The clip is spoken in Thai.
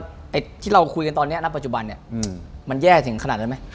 ไอ้ที่เราคุยกันตอนนี้ณปัจจุบันเนี่ยมันแย่ถึงขนาดนั้นไหม